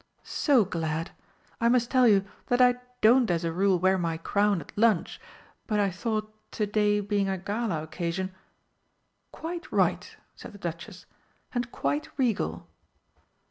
"So glad! I must tell you that I don't as a rule wear my crown at lunch, but I thought, to day being a gala occasion " "Quite right!" said the Duchess. "And quite regal!"